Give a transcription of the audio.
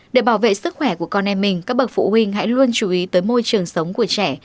để bảo vệ sức khỏe của con em mình các bậc phụ huynh hãy luôn chú ý tới môi trường sống của trẻ